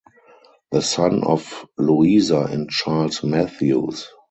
The son of Louisa and Charles Matthews.